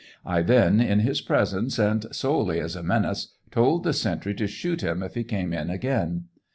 I then, in his presence, and solely as a menace, told the sentry to shoot him if he came in again.